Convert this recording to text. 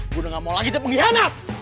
gue udah gak mau lagi terpenghianat